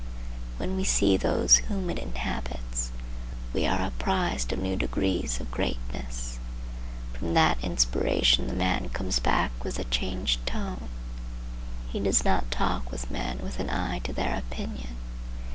When we see those whom it inhabits, we are apprised of new degrees of greatness. From that inspiration the man comes back with a changed tone. He does not talk with men with an eye to their opinion.